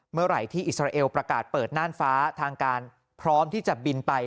เมื่อไหร่ที่อิสราเอลประกาศเปิดน่านฟ้าทางการพร้อมที่จะบินไป